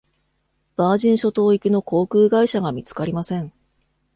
バージン諸島行きの航空会社が見つかりません。